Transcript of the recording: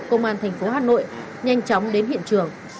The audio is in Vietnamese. công an thành phố hà nội nhanh chóng đến hiện trường